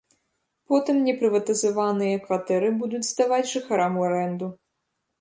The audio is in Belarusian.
Потым непрыватызаваныя кватэры будуць здаваць жыхарам у арэнду.